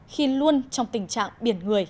khi luôn trong tình trạng biển người